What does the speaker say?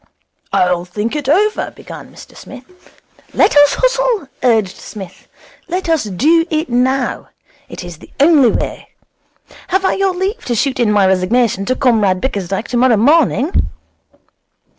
'I'll think it over ' began Mr Smith. 'Let us hustle,' urged Psmith. 'Let us Do It Now. It is the only way. Have I your leave to shoot in my resignation to Comrade Bickersdyke tomorrow morning?'